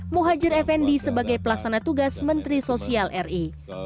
major fnd sebagai pelaksana tugas menteri sosial ri